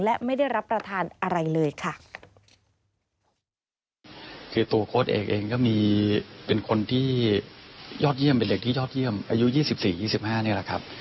และไม่ได้รับประทานอะไรเลยค่ะ